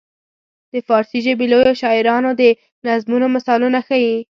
د فارسي ژبې لویو شاعرانو د نظمونو مثالونه ښيي.